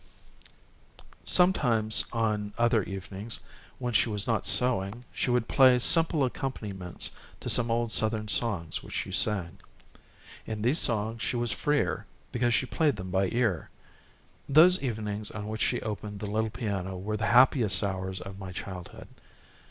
Sometimes on other evenings, when she was not sewing, she would play simple accompaniments to some old Southern songs which she sang. In these songs she was freer, because she played them by ear. Those evenings on which she opened the little piano were the happiest hours of my childhood.